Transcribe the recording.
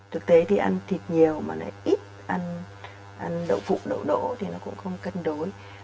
thực tế thì ăn thịt nhiều mà lại ít ăn đậu phụ đậu đỗ thì nó cũng không cân đối